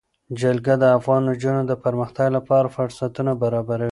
جلګه د افغان نجونو د پرمختګ لپاره فرصتونه برابروي.